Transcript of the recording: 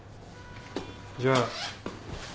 じゃあ。